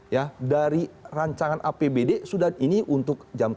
ya dari rancangan apbd sudah ini untuk jam empat